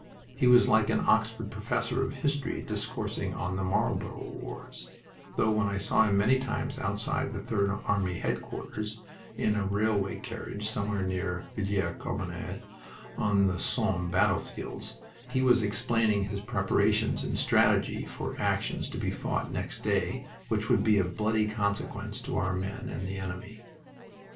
He was like an Oxford professor of history discoursing on the Marlborough wars, though when I saw him many times outside the Third Army headquarters, in a railway carriage, somewhere near Villers Carbonnel on the Somme battlefields, he was explaining his preparations and strategy for actions to be fought next day which would be of bloody consequence to our men and the enemy.